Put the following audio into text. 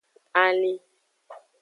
Alin.